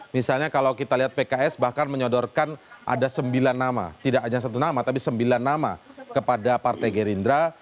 misalnya kalau kita lihat pks bahkan menyodorkan ada sembilan nama tidak hanya satu nama tapi sembilan nama kepada partai gerindra